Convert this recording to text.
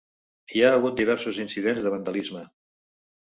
Hi ha hagut diversos incidents de vandalisme.